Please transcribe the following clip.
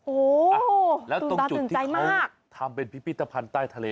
โอ้โฮตรงจุดที่เขาทำเป็นพิพิธภัณฑ์ใต้ทะเล